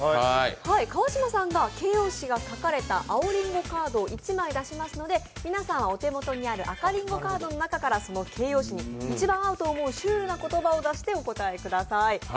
川島さんが形容詞が書かれた青りんごカードを１枚出しますので皆さんは、お手元にある赤りんごカードからその形容詞に一番合うと思うシュールな言葉を出してください。